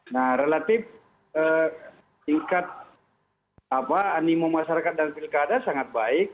nah relatif tingkat animo masyarakat dan pilkada sangat baik